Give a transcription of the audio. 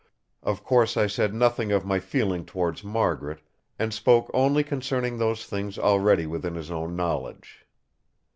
Of course I said nothing of my feeling towards Margaret, and spoke only concerning those things already within his own knowledge.